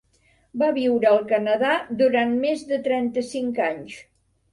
Va viure al Canadà durant més de trenta-cinc anys.